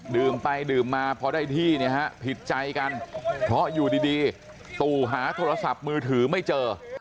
ดื่มไปดื่มมาพอได้ที่เนี่ยฮะผิดใจกันเพราะอยู่ดีตู่หาโทรศัพท์มือถือไม่เจอ